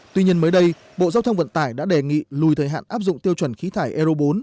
tuy nhiên mới đây bộ giao thông vận tải đã đề nghị lùi thời hạn áp dụng tiêu chuẩn khí thải euro bốn